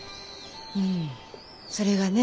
うんそれがねえ。